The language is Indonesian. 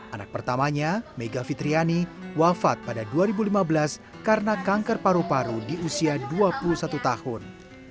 anak pertamanya mega fitriani wafat pada dua ribu lima belas karena kanker paru paru di usia dua puluh satu tahun